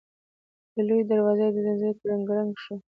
د لويي دروازې د ځنځير کړنګ شو.